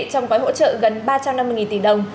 trong gói hỗ trợ gần ba trăm năm mươi tỷ đồng